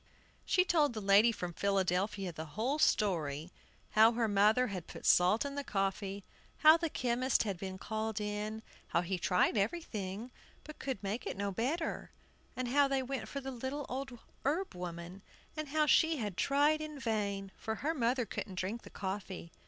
She told the lady from Philadelphia the whole story, how her mother had put salt in the coffee; how the chemist had been called in; how he tried everything but could make it no better; and how they went for the little old herb woman, and how she had tried in vain, for her mother couldn't drink the coffee.